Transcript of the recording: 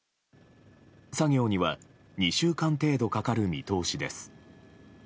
作業には２週間程度かかる見通しです。